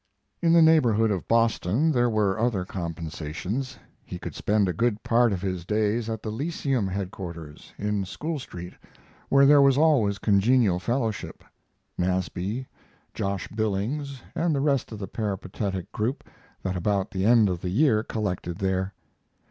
In the neighborhood of Boston there were other compensations. He could spend a good part of his days at the Lyceum headquarters, in School Street, where there was always congenial fellowship Nasby, Josh Billings, and the rest of the peripatetic group that about the end of the year collected there.